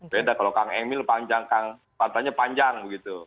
beda kalau kang engkang emil pantainya panjang